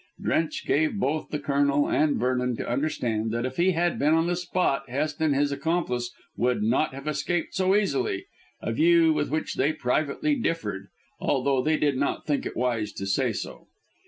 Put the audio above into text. Drench gave both the Colonel and Vernon to understand that if he had been on the spot Hest and his accomplice would not have escaped so easily, a view with which they privately differed, although they did not think it wise to say so.